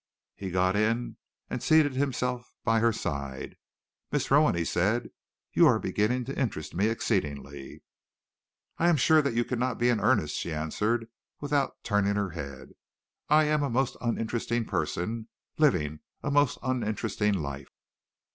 He got in and seated himself by her side. "Miss Rowan," he said, "you are beginning to interest me exceedingly." "I am sure that you cannot be in earnest," she answered, without turning her head. "I am a most uninteresting person, living a most uninteresting life."